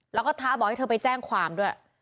แล้วก็ท้าบอกให้เธอไปแจ้งความด้วย